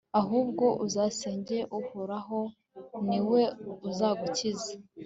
ahubwo uzasenge uhoraho, ni we uzagukiza